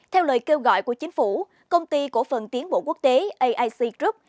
theo lời kêu gọi của chính phủ công ty cổ phần tiến bộ quốc tế aic group